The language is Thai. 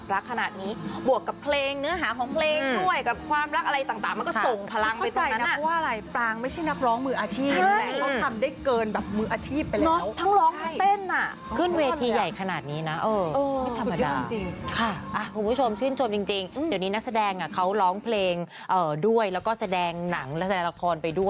แล้วพออยู่นี้ไฟมันก็พุก